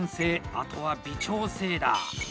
あとは微調整だ！